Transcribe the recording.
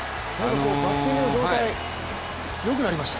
バッティングの状態よくなりました。